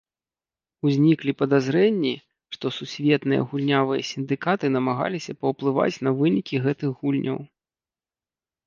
Узніклі падазрэнні, што сусветныя гульнявыя сіндыкаты намагаліся паўплываць на вынікі гэтых гульняў.